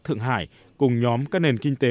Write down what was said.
thượng hải cùng nhóm các nền kinh tế